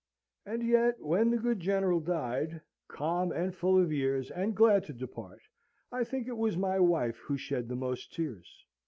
And yet when the good General died (calm, and full of years, and glad to depart), I think it was my wife who shed the most tears.